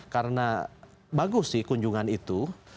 karena bagus sih kunjungan itu